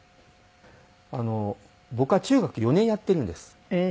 あの僕は中学４年やってるんです。